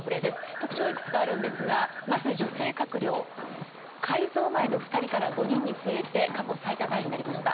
特徴はいくつかあるんですがまず女性閣僚改造前の２人から５人に増えて過去最多タイになりました。